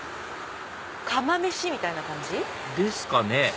釜飯みたいな感じ？ですかね？